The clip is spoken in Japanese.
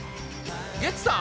ゲッツさん？